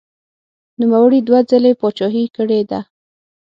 نوموړي دوه ځلې پاچاهي کړې ده.